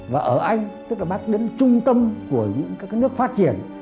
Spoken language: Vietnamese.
và ở anh tức là bác đến trung tâm của những các nước phát triển